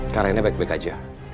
karena baik baik aja